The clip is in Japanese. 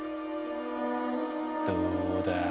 どうだ。